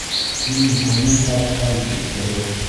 Иң-һынын тартҡан тик торор.